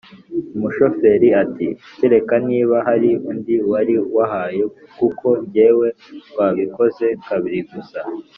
umushoferi, ati "kereka niba hari undi wari wahaye kuko jyewe twabikoze kabiri gusa!"